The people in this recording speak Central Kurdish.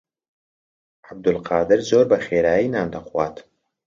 عەبدولقادر زۆر بەخێرایی نان دەخوات.